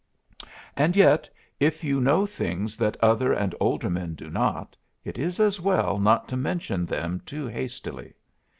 And yet, if you know things that other and older men do not, it is as well not to mention them too hastily.